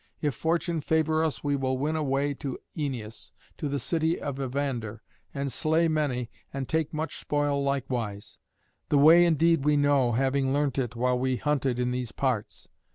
If fortune favour us we will win a way to Æneas, to the city of Evander, and slay many, and take much spoil likewise. The way indeed we know, having learnt it while we hunted in these parts."